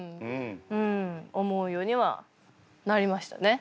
うん思うようにはなりましたね。